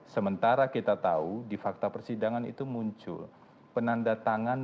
sementara kita tahu di fakta persidangan itu muncul penanda tangan